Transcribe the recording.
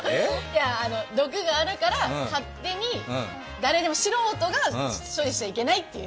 毒があるから勝手に素人が処理しちゃいけないという。